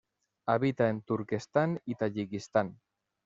Habita en Turquestán y Tayikistán.